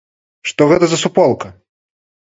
Што гэта за суполка?